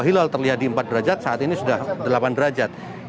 hilal terlihat di empat derajat saat ini sudah delapan derajat